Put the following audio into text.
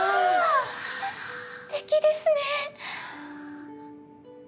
すてきですね。